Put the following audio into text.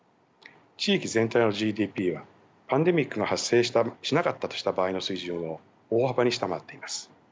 地域全体のＧＤＰはパンデミックが発生しなかったとした場合の水準を大幅に下回っています。